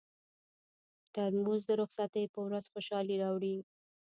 ترموز د رخصتۍ پر ورځ خوشالي راوړي.